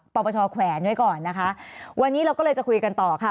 ปปชแขวนไว้ก่อนนะคะวันนี้เราก็เลยจะคุยกันต่อค่ะ